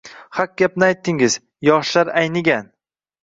Haq gapni aytdingiz, yoshlar aynigan.